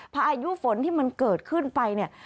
พายุฝนที่มันเกิดขึ้นไปเนี่ย